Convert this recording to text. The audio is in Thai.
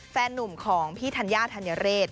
แฟนนุ่มของพี่ธัญญาธัญเรศ